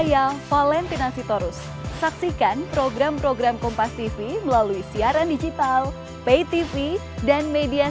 ya sekitar satu tahun ini sudah mereka